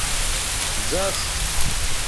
-زس